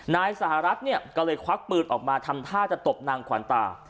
นายสหรัฐเนี่ยก็เลยควักปืนออกมาทำท่าจะตบนางขวัญตา